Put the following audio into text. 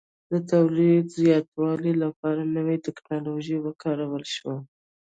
د تولید زیاتوالي لپاره نوې ټکنالوژي وکارول شوه